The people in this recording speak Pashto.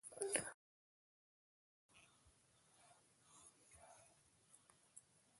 وږی نه يم.